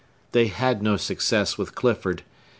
They had no success with Clifford.